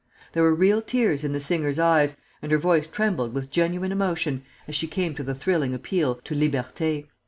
There were real tears in the singer's eyes, and her voice trembled with genuine emotion as she came to the thrilling appeal to Liberté."